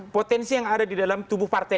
potensi yang ada di dalam tubuh partai